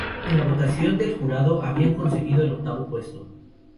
En la votación del jurado habían conseguido el octavo puesto.